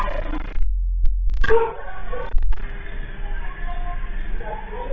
ฟิ้นมันเกิดมาเหมือนกับว่ามีอาการทางประสาน